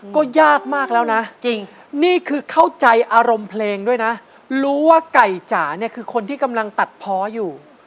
ก็ยากมากแล้วนะจริงนี่คือเข้าใจอารมณ์เพลงด้วยนะรู้ว่าไก่จ๋าเนี่ยคือคนที่กำลังตัดเพาะอยู่